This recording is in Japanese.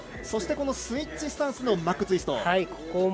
そしてスイッチスタンスのマックツイスト。